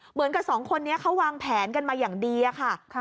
เหมือนกับสองคนนี้เขาวางแผนกันมาอย่างดีอะค่ะ